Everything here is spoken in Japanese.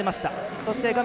そして画面